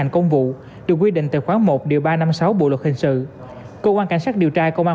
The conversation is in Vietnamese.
công vụ được quy định tại khoảng một điều ba trăm năm mươi sáu bộ luật hình sự cơ quan cảnh sát điều tra công an